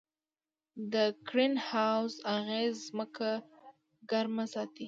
د ګرین هاوس اغېز ځمکه ګرمه ساتي.